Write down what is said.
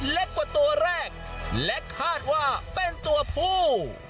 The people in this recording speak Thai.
เล็กกว่าตัวแรกและคาดว่าเป็นตัวผู้